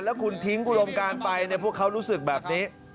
แล้วคุณทิ้งอุดมการไปพวกเขารู้สึกแบบนี้